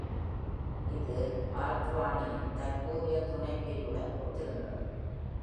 இது ஹால்ட்வானியின் தற்போதைய துணைப்பிரிவுடன் ஒத்திருந்தது.